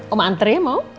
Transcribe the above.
oma antar ya mau